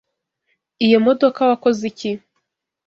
Iyo modoka wakoze iki?